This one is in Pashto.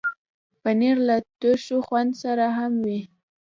پنېر له ترشو خوند سره هم وي.